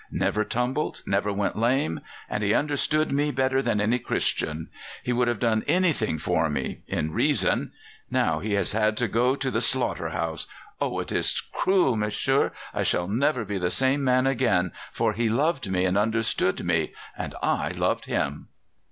Never tumbled, never went lame. And he understood me better than any Christian. He would have done anything for me in reason! Now he has had to go to the slaughter house. Oh, it is cruel, m'sieur! I shall never be the same man again, for he loved me and understood me and I loved him."